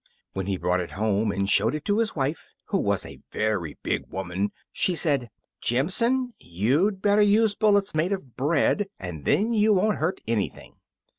When he brought it home and showed it to his wife, who was a very big woman, she said, "Jimson, you'd better use bullets made of bread, and then you won't hurt anything."